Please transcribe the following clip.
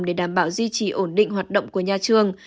để đảm bảo duy trì ổn định hoạt động của nhà trường